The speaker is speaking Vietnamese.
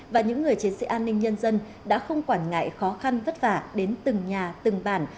và những người chiến sĩ an ninh nhân dân đã không quản ngại khó khăn vất vả đến từng nhà từng bản